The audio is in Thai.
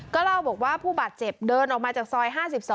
ก็เล่าบอกว่าผู้บาดเจ็บเดินออกมาจากซอย๕๒